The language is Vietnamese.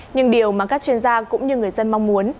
nhưng điều mà các chuyên gia cũng như người dân mong muốn